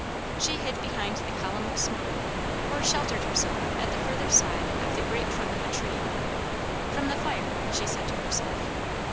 She hid behind the column of smoke, or sheltered herself at the further side of the great trunk of a tree; from the fire, she said to herself.